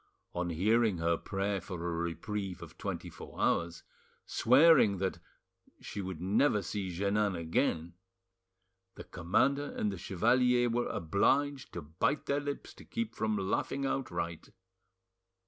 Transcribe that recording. On hearing her prayer for a reprieve of twenty four hours, swearing that after that she would never see Jeannin again, the commander and the chevalier were obliged to bite their lips to keep from laughing outright.